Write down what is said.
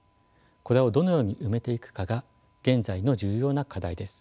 これをどのように埋めていくかが現在の重要な課題です。